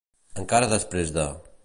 Encara després de.